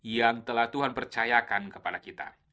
yang telah tuhan percayakan kepada kita